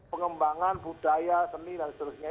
pengembangan budaya seni dan seterusnya